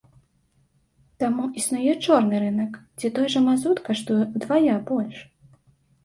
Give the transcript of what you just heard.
Таму існуе чорны рынак, дзе той жа мазут каштуе ўдвая больш.